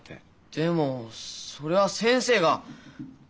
でもそれは先生が。